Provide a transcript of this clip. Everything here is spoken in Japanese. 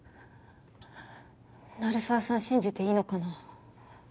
鳴沢さん信じていいのかな？